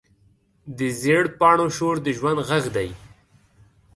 د زېړ پاڼو شور د ژوند غږ دی